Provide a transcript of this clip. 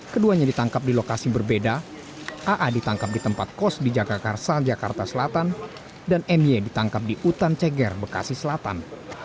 keduanya ditangkap di lokasi berbeda aa ditangkap di tempat kos di jagakarsa jakarta selatan dan my ditangkap di utan ceger bekasi selatan